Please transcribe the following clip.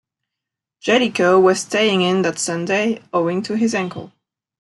Jellicoe was staying in that Sunday, owing to his ankle.